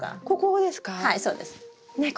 ここここですか？